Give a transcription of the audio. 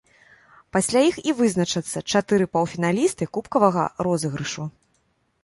Пасля іх і вызначацца чатыры паўфіналісты кубкавага розыгрышу.